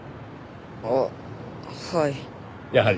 あっはい。